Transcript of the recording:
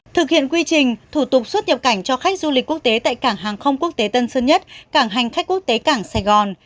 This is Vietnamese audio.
thực hiện quy trình thủ tục xuất nhập cảnh cho khách du lịch quốc tế tại cảng hàng không quốc tế tân sơn nhất cảng hành khách quốc tế cảng sài gòn